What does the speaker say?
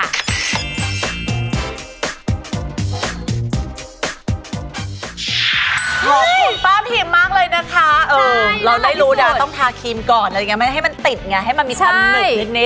ขอบคุณป้าพิมมากเลยนะคะเราได้รู้นะต้องทาครีมก่อนอะไรอย่างนี้ไม่ได้ให้มันติดไงให้มันมีความหนึบนิด